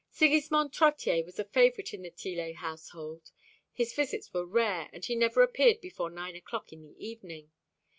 Sigismond Trottier was a favourite in the Tillet household. His visits were rare, and he never appeared before nine o'clock in the evening.